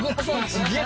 すげえ